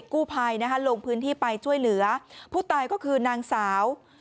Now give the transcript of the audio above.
กู้ภัยนะคะลงพื้นที่ไปช่วยเหลือผู้ตายก็คือนางสาว